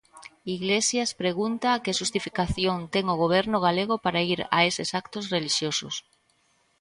Iglesias pregunta que xustificación ten o goberno galego para ir a eses actos relixiosos.